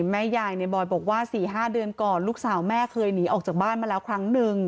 แม่ยายในบอยบอกว่า๔๕เดือนก่อนลูกสาวแม่เคยหนีออกจากบ้านมาแล้วครั้งหนึ่ง